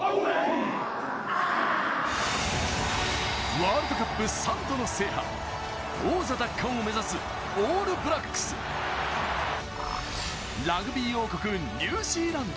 ワールドカップ３度の制覇、王座奪還を目指すオールブラックス、ラグビー王国・ニュージーランド。